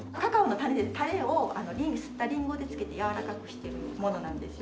種をすったリンゴで漬けてやわらかくしてるものなんですよ。